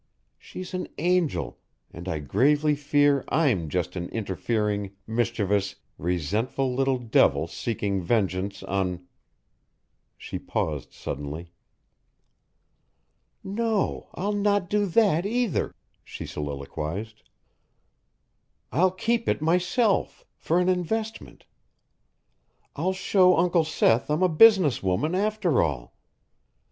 She's an angel, and I gravely fear I'm just an interfering, mischievous, resentful little devil seeking vengeance on " She paused suddenly. "No, I'll not do that, either," she soliloquized. "I'll keep it myself for an investment. I'll show Uncle Seth I'm a business woman, after all.